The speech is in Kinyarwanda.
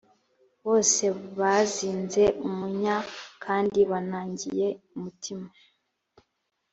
bose bazinze umunya kandi binangiye umutima